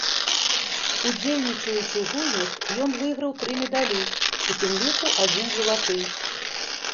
Удзельнічаючы ў гульнях, ён выйграў тры медалі, у тым ліку адзін залаты.